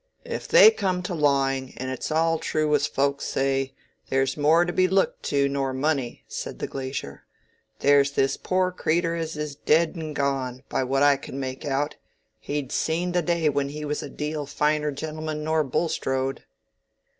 "If they come to lawing, and it's all true as folks say, there's more to be looked to nor money," said the glazier. "There's this poor creetur as is dead and gone; by what I can make out, he'd seen the day when he was a deal finer gentleman nor Bulstrode."